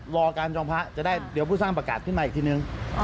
รอการจองพระจะได้เดี๋ยวผู้สร้างประกาศขึ้นมาอีกทีนึง